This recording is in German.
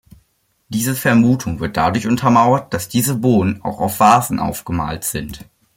Diese Vermutung wird dadurch untermauert, dass diese Bohnen auch auf Vasen aufgemalt sind.